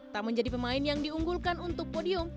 tak menjadi pemain yang diunggulkan untuk podium